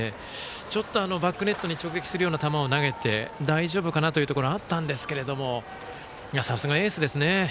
ちょっとバックネットに直撃するような球を投げて大丈夫かなというところがあったんですけどもさすがエースですね。